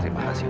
bisa aku tau